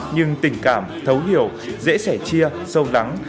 nhưng tình cảm thấu hiểu dễ sẻ chia sâu lắng